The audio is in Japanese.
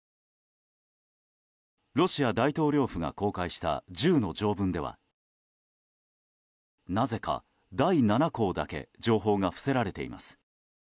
ロシア大統領府が公開した１０の条文ではなぜか第７項だけ情報が伏せられています。